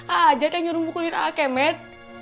a'ajat yang nyuruh mukulin a'akemet